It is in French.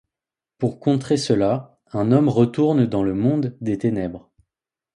Pour contrer cela, un homme retourne dans le monde des ténèbres.